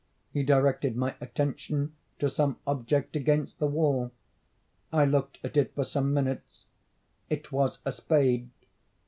He directed my attention to some object against the wall. I looked at it for some minutes: it was a spade.